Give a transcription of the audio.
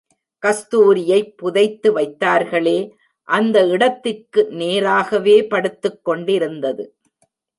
கஸ்தூரியைப் புதைத்து வைத்தார்களே, அந்த இடத்துக்கு நேராகவே படுத்துக்கொண்டிருந்தது!